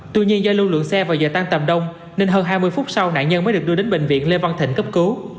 tuy nhiên do lưu lượng xe vào giờ tan tầm đông nên hơn hai mươi phút sau nạn nhân mới được đưa đến bệnh viện lê văn thịnh cấp cứu